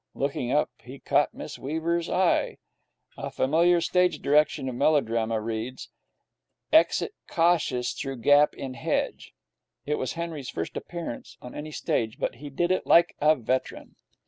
Looking up, he caught Miss Weaver's eye. A familiar stage direction of melodrama reads, 'Exit cautious through gap in hedge'. It was Henry's first appearance on any stage, but he did it like a veteran.